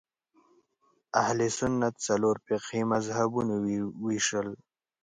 اهل سنت څلورو فقهي مذهبونو وېشل